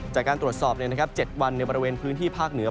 จากการตรวจสอบ๗วันในบริเวณพื้นที่ภาคเหนือ